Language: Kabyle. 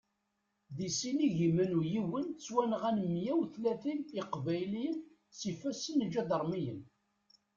Di sin igiman u yiwen ttwanɣan meyya utlatin iqbayliyen s ifassen iǧadarmiyen.